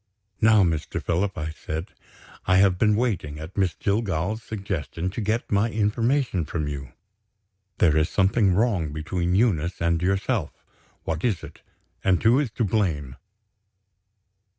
"Now, Mr. Philip," I said, "I have been waiting, at Miss Jillgall's suggestion, to get my information from you. There is something wrong between Eunice and yourself. What is it? And who is to blame?"